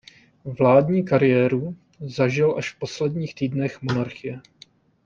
Vládní kariéru zažil až v posledních týdnech monarchie.